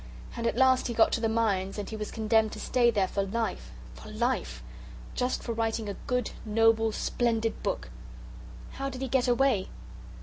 And at last he got to the mines, and he was condemned to stay there for life for life, just for writing a good, noble, splendid book." "How did he get away?"